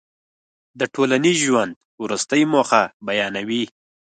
د ټولنیز ژوند وروستۍ موخه بیانوي.